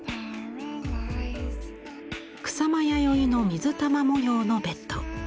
草間彌生の水玉模様のベッド。